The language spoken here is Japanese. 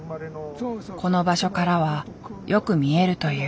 この場所からはよく見えるという。